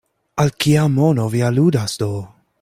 Al kia mono vi aludas do?